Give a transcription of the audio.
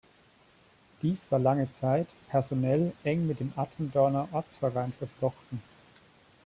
Diese war lange Zeit personell eng mit dem Attendorner Ortsverein verflochten.